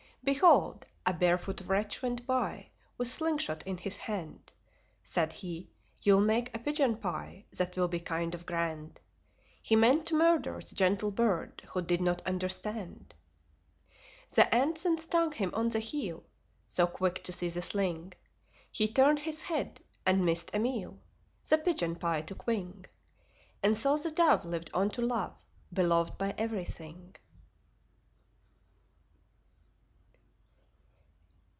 Behold! A barefoot wretch went by With slingshot in his hand. Said he: "You'll make a pigeon pie That will be kind of grand." He meant to murder the gentle bird Who did not understand. The Ant then stung him on the heel (So quick to see the sling). He turned his head, and missed a meal: The pigeon pie took wing. And so the Dove lived on to love Beloved by everything.